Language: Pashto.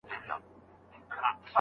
ماته د یارانو د مستۍ خبري مه کوه